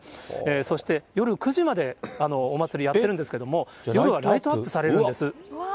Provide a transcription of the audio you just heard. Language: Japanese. そして夜９時までお祭り、やってるんですけれども、夜はライトアップされるんです。